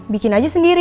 bikin aja sendiri